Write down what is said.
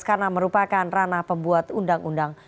karena merupakan ranah pembuat undang undang